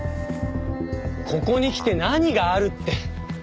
ここに来て何があるって。